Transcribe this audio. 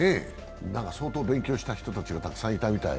相当勉強した人たちがいっぱいいたみたい。